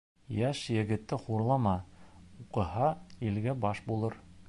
Йәш егетте хурлама: уҡыһа, илгә баш булыр.